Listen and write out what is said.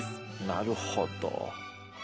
なるほど。